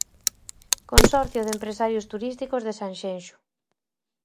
Consorcio de Empresarios Turísticos de Sanxenxo.